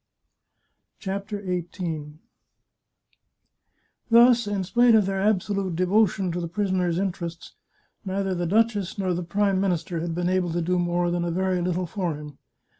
CHAPTER XVIII Thus, in spite of their absolute devotion to the pris oner's interests, neither the duchess nor the Prime Minister had been able to do more than a very little for him.